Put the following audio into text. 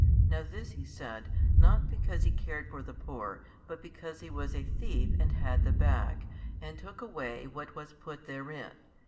Now this he said, not because he cared for the poor; but because he was a thief and had the bag, and took away what was put therein.